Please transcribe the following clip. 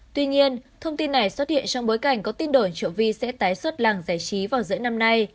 tuy nhiên thông tin này xuất hiện trong bối cảnh có tin đổi rượu vi sẽ tái xuất làng giải trí vào giữa năm nay